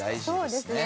そうですね。